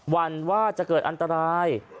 วันว่าจะเกิดอันตราย